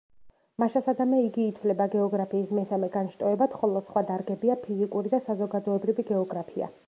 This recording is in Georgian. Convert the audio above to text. მაშასადამე, იგი ითვლება გეოგრაფიის მესამე განშტოებად, ხოლო სხვა დარგებია ფიზიკური და საზოგადოებრივი გეოგრაფია.